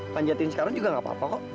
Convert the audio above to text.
manjatin sekarang juga gapapa kok